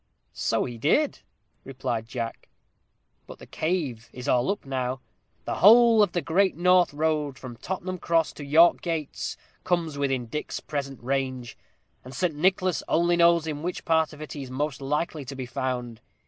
"So he did," replied Jack, "but the cave is all up now. The whole of the great North Road, from Tottenham Cross to York gates, comes within Dick's present range; and Saint Nicholas only knows in which part of it he is most likely to be found.